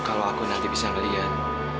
kalau aku nanti bisa melihat